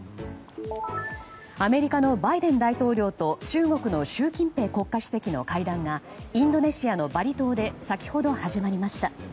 アメリカのバイデン大統領と中国の習近平国家主席の会談がインドネシアのバリ島で先ほど始まりました。